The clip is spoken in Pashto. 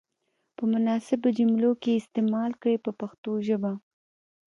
په مناسبو جملو کې یې استعمال کړئ په پښتو ژبه.